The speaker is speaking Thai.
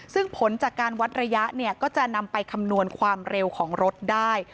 ซึ่งผลจากการวัดระยะเนี่ยก็จะนำไปคำนวณความเร็วของรถได้